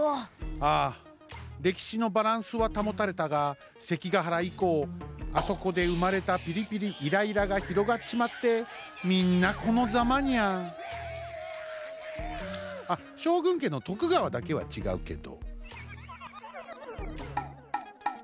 ああれきしのバランスはたもたれたが関ヶ原いこうあそこでうまれたピリピリイライラがひろがっちまってみんなこのざまニャ。あっしょうぐんけの徳川だけはちがうけど。